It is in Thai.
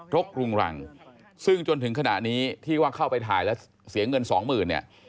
รกรุงรังซึ่งจนถึงขณะนี้ที่ว่าเข้าไปถ่ายแล้วเสียเงินสองหมื่นเนี่ย